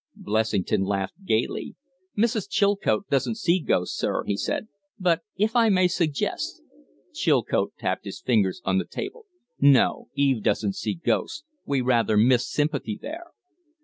Blessington laughed gayly. "Mrs. Chilcote doesn't see ghosts, sir," he said; "but if I may suggest " Chilcote tapped his fingers on the table. "No. Eve doesn't see ghosts. We rather miss sympathy there."